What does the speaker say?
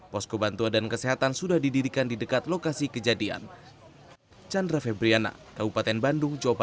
posko bantuan dan kesehatan sudah didirikan di dekat lokasi kejadian